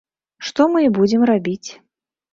Што мы і будзем рабіць.